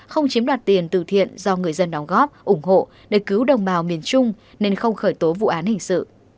không chiếm đoạt tiền từ thiện do người dân đóng góp ủng hộ để cứu đồng bào miền trung nên không khởi tố vụ án hình sự